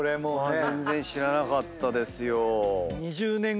全然知らなかったですよ。